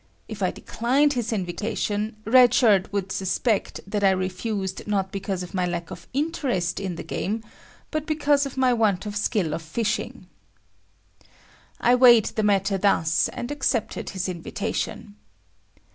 If I declined his invitation, Red Shirt would suspect that I refused not because of my lack of interest in the game but because of my want of skill of fishing. I weighed the matter thus, and accepted his invitation.